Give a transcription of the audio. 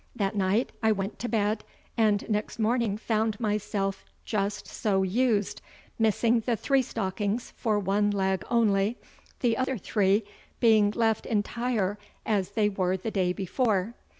That night I went to bed, and nixt morning found myselfe just so used; missing the three stockins for one leg onlie, the other three being left intire as they were the day before.